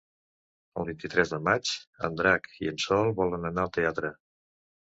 El vint-i-tres de maig en Drac i en Sol volen anar al teatre.